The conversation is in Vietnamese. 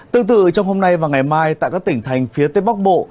tương tự trong hôm nay và ngày mai tại các tỉnh thành phía tây bắc bộ